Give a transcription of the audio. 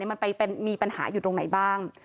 มันไปมีปัญหาอยู่ตรงไหนบ้าง